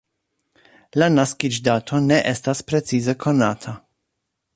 La naskiĝdato ne estas precize konata.